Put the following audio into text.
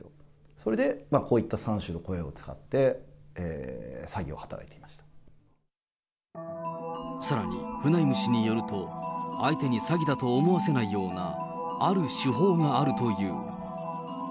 それでこういった３種の声を使って、さらに、フナイム氏によると、相手に詐欺だと思わせないようなある手法があるという。